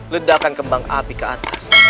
ledakan kembang api ke atas